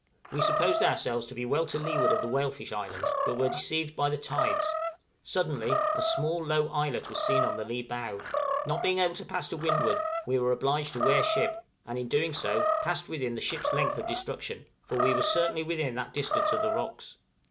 We supposed ourselves to be well to leeward of the Whalefish Islands, but were deceived by the tides; suddenly a small, low islet was seen on the lee bow; not being able to pass to windward, we were obliged to wear ship, and, in doing so, passed within the ship's length of destruction for we were certainly within that distance of the rocks!